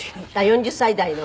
４０歳代の。